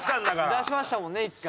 出しましたもんね一回。